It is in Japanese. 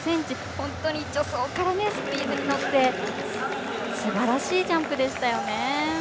本当に助走からスピードに乗ってすばらしいジャンプでしたよね。